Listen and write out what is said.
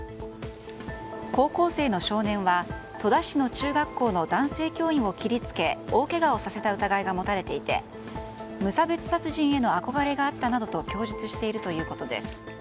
高校生の少年は戸田市の中学校の男性教員を切り付け大けがをさせた疑いが持たれていて無差別殺人への憧れがあったなどと供述しているということです。